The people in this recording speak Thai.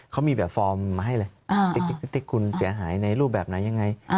เขามีแบบฟอร์มมาให้เลยติ๊กคุณเสียหายในรูปแบบไหนยังไง